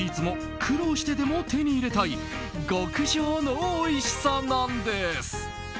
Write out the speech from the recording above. でも、どのスイーツも苦労してでも手に入れたい極上のおいしさなんです。